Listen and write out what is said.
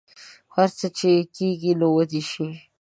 هر څه چې کیږي نو ودې شي